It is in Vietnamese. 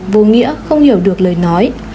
vô nghĩa không hiểu được lời nói